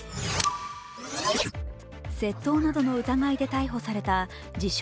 窃盗などの疑いで逮捕された自称